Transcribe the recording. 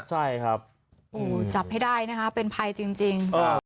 ใช่ครับอู๋จับให้ได้นะฮะเป็นภัยจริงจริง